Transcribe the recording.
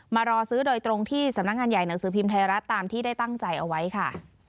มารอซื้อโดยตรงที่สำนักงานใหญ่หนังสือพิมพ์ไทยรัฐตามที่ได้ตั้งใจเอาไว้ค่ะ